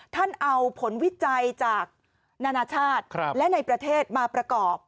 ท่านเอาผลวิจัยจากนานาชาติและในประเทศมาประกอบ